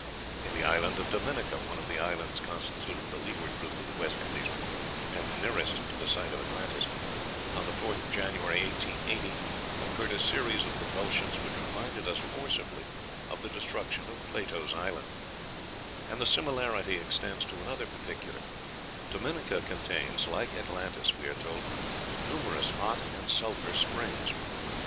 In the island of Dominica, one of the islands constituting the Leeward group of the West Indies, and nearest to the site of Atlantis, on the 4th of January, 1880, occurred a series of convulsions which reminds us forcibly of the destruction of Plato's island; and the similarity extends to another particular: Dominica contains, like Atlantis, we are told, numerous hot and sulphur springs.